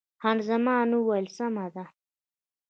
خان زمان وویل، سمه ده.